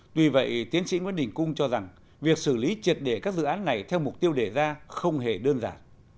tuy vậy tiến sĩ nguyễn đình cung cho rằng việc xử lý triệt đề các dự án này theo mục tiêu đề ra không hề đơn giản